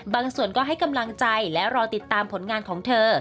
ส่วนก็ให้กำลังใจและรอติดตามผลงานของเธอ